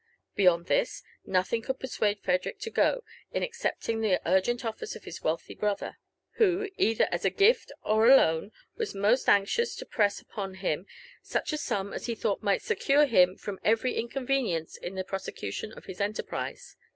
Beyond this, nothing could per suade Frederick to go, in accepting the urgent offers of his wealthy brother ; who, either as a gift or a loan, was most anxious to press upon him such a sum as he thought might secure him from every in convenience in the prosecution of his enterprise.